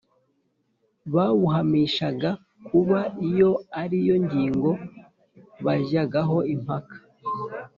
bawuhamishaga kuba iyo ari yo ngingo bajyagaho impaka